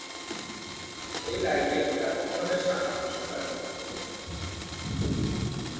এই লাইকেন ব্যাপকভাবে শাখা-প্রশাখা যুক্ত।